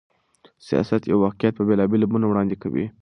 سياست يو واقعيت په بېلابېلو بڼو وړاندې کوي.